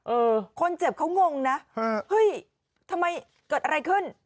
เออคนเจ็บเขางงนะเฮ้ยทำไมเกิดอะไรขึ้น